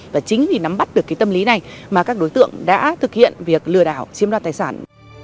và chính vì nắm bắt được cái tâm lý này mà các đối tượng đã thực hiện việc lừa đảo chiếm đoạt tài sản